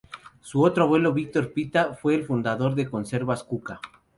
Su otro abuelo Víctor Pita fue el fundador de Conservas Cuca.